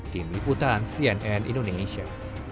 tim liputan cnn indonesia